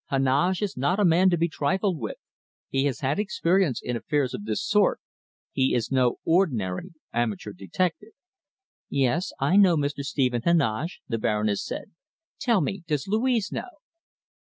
"Heneage is not a man to be trifled with. He has had experience in affairs of this sort, he is no ordinary amateur detective." "Yes! I know Mr. Stephen Heneage," the Baroness said. "Tell me, does Louise know?"